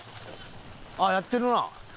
あっやってるな。